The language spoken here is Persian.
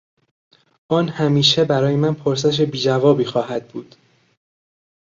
آن همیشه برای من پرسش بیجوابی خواهد بود.